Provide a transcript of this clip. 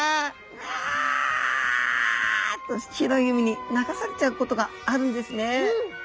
うわっと広い海に流されちゃうことがあるんですね。